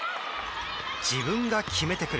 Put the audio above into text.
自分が決めてくる。